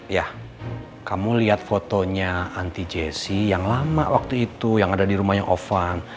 ya kamu lihat fotonya anti jesse yang lama waktu itu yang ada di rumahnya ovan